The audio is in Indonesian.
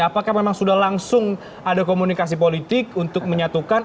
apakah memang sudah langsung ada komunikasi politik untuk menyatukan